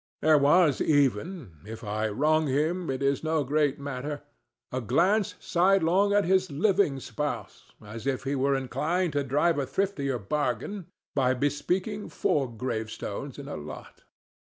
There was even—if I wrong him, it is no great matter—a glance sidelong at his living spouse, as if he were inclined to drive a thriftier bargain by bespeaking four gravestones in a lot.